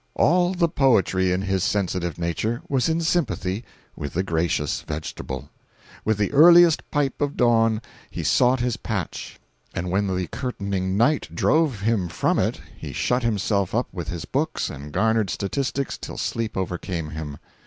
All the poetry in his sensitive nature was in sympathy with the gracious vegetable. With the earliest pipe of dawn he sought his patch, and when the curtaining night drove him from it he shut himself up with his books and garnered statistics till sleep overcame him.